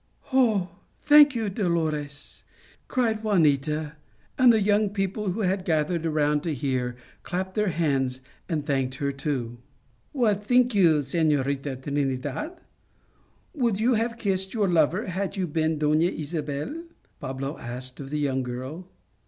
" Oh, thank you, Dolores, it is a beautiful story," cried Juanita, and the young people who had gathered around to hear clapped their hands, and thanked her, too. " What think you, Senorita Trinidad, would you have kissed your lover had you been Dona Isabel ?" asked Pablo of the young girl.